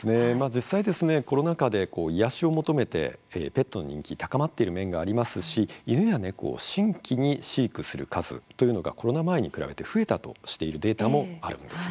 実際、コロナ禍で癒やしを求めて、ペットの人気高まっている面がありますし犬や猫を新規に飼育する数というのがコロナ前に比べて増えたとしているデータもあるんです。